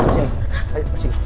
masuk sini masuk sini